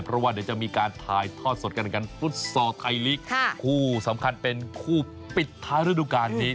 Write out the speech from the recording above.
เพราะว่าเดี๋ยวจะมีการถ่ายทอดสดกันกันฟุตซอลไทยลีกคู่สำคัญเป็นคู่ปิดท้ายฤดูการนี้